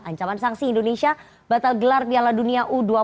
ancaman sanksi indonesia batal gelar piala dunia u dua puluh